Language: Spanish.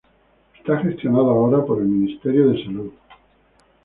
Es gestionado ahora por el Ministerio de Salud.